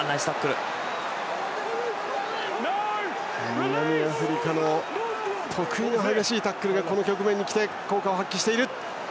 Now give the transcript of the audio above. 南アフリカの得意の激しいタックルがこの局面にきて効果を発揮している。